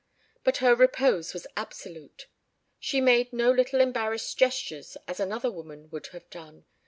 But her repose was absolute. She made no little embarrassed gestures as another woman would have done.